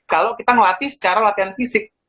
kalau kita ngelatih secara latihan fisik